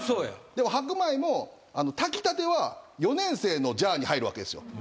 でも白米も炊きたては４年生のジャーに入るわけですよ。